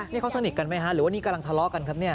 นี่เขาสนิทกันไหมฮะหรือว่านี่กำลังทะเลาะกันครับเนี่ย